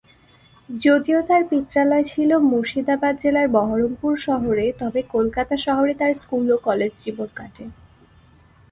যদিও তার পিত্রালয় ছিল মুর্শিদাবাদ জেলার বহরমপুর শহরে, তবে কলকাতা শহরে তার স্কুল ও কলেজ জীবন কাটে।